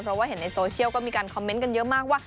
เพราะว่าเห็นในโซเชียลก็มีการคอมเมนต์กันเยอะมากว่า